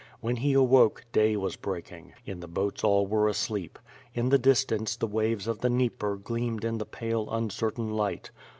.. When he awoke, day was breaking. In the boats all were asleep. In the distance the waves of the Dnieper gleamed in the pale uncertain hght.